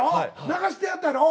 流してはったろ？